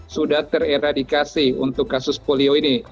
sudah ter eradikasi untuk kasus polio ini